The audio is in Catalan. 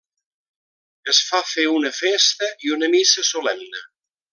Es fa fer una festa i una missa solemne.